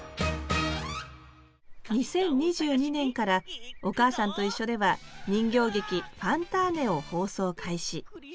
２０２２年から「おかあさんといっしょ」では人形劇「ファンターネ！」を放送開始。